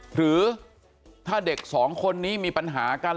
หรือถ้าเด็กสองคนนี้มีปัญหากัน